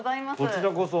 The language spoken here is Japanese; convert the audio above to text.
こちらこそ。